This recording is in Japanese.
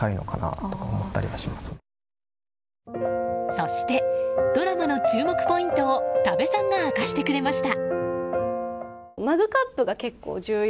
そしてドラマの注目ポイントを多部さんが明かしてくれました。